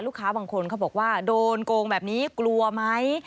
บางคนเขาบอกว่าโดนโกงแบบนี้กลัวไหม